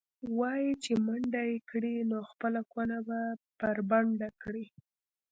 وایي چې منډه کړې، نو خپله کونه به بربنډه کړې.